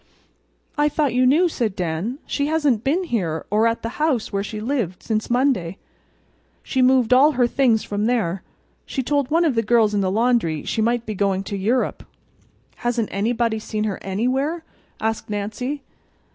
"I thought you knew," said Dan. "She hasn't been here or at the house where she lived since Monday. She moved all her things from there. She told one of the girls in the laundry she might be going to Europe." "Hasn't anybody seen her anywhere?" asked Nancy.